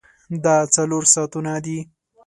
دا څلور ساعتونه دي.